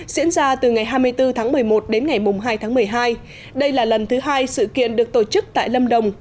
diễn ra từ ngày hai mươi bốn tháng một mươi một đến ngày hai tháng một mươi hai đây là lần thứ hai sự kiện được tổ chức tại lâm đồng